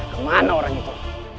ke mana orang itu